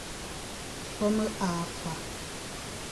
Nsome a fa.